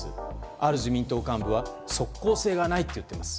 ある自民党幹部は即効性がないと言っています。